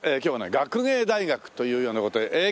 今日はね学芸大学というような事で。